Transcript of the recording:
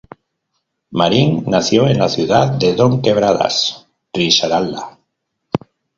Marín nació en la ciudad de Dos Quebradas, Risaralda.